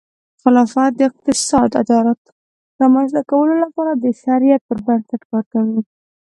خلافت د اقتصادي عدالت رامنځته کولو لپاره د شریعت پر بنسټ کار کوي.